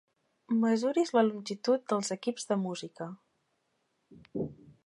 Mesuris la longitud dels equips de música.